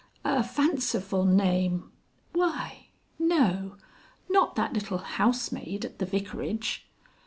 "A fanciful name.... Why!... No! Not that little housemaid at the Vicarage